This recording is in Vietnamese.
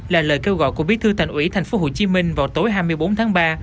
là lời kêu gọi của bí thư thành ủy tp hcm vào tối hai mươi bốn tháng ba